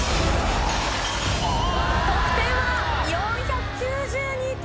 得点は４９２点。